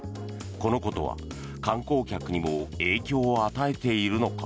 このことは観光客にも影響を与えているのか。